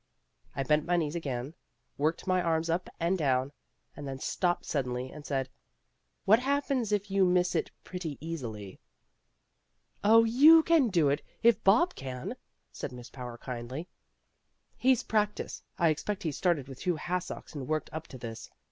I bent my knees again, worked my arms up and down, and then stopped suddenly and said: "What happens if you miss it pretty easily?" "Oh, you can do it, if Bob can," said Miss Power kindly. "He's practised. I expect he started with two hassocks and worked up to this.